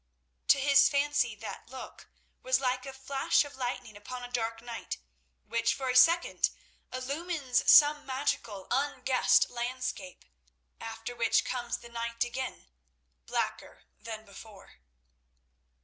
To his fancy that look was like a flash of lightning upon a dark night, which for a second illumines some magical, unguessed landscape, after which comes the night again, blacker than before.